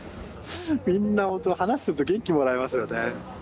みんなほんと話すると元気もらえますよね。